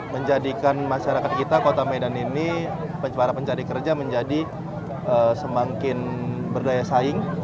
menjadikan masyarakat kita kota medan ini para pencari kerja menjadi semakin berdaya saing